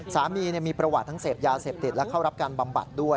สามีมีประวัติทั้งเสพยาเสพติดและเข้ารับการบำบัดด้วย